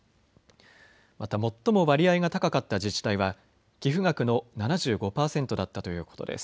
また最も割合が高かった自治体は寄付額の７５％だったということです。